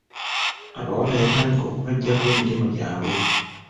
Abawala yatandika okubagyako emirimu gyabwe.